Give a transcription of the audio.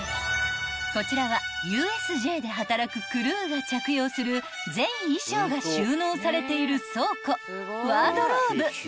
［こちらはＵＳＪで働くクルーが着用する全衣装が収納されている］